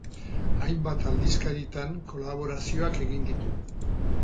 Hainbat aldizkaritan kolaborazioak egin ditu.